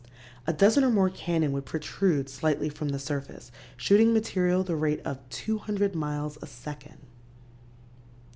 A dozen or more cannon would protrude slightly from the surface, shooting material the rate of 200 miles a second.